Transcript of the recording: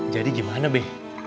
jadi gimana be